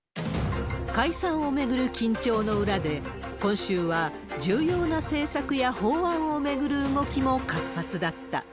解散を巡る緊張の裏で、今週は重要な政策や法案を巡る動きも活発だった。